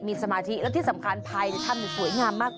มีสมาธิและที่สำคัญ